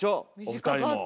お二人も。